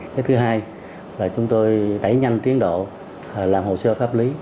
cái thứ hai là chúng tôi đẩy nhanh tiến độ làm hồ sơ pháp lý